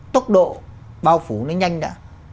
tốc độ bao phủ nó nhanh đã